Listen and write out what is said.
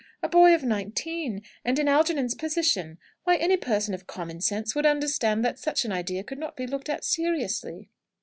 A boy of nineteen, and in Algernon's position! why, any person of common sense would understand that such an idea could not be looked at seriously."